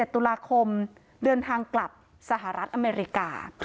๑ตุลาคมเดินทางกลับสหรัฐอเมริกา